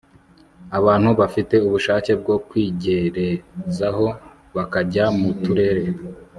abantu bafite ubushake bwo kwigerezaho bakajya mu turere